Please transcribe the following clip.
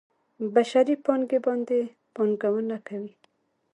بشري پانګې باندې پانګونه کوي.